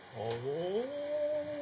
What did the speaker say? お。